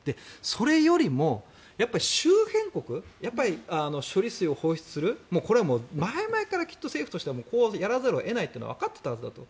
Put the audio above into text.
それよりも周辺国処理水を放出するこれはもう前々から政府としてはこうやらざるを得ないというのはわかっていたはずだと。